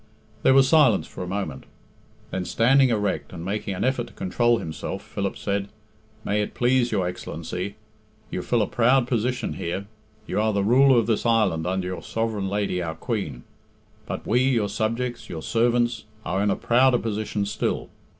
There was silence for a moment. Then, standing erect, and making an effort to control himself, Philip said, "May it please your Excellency, you fill a proud position here; you are the ruler of this island under your sovereign lady our Queen. But we, your subjects, your servants, are in a prouder position still.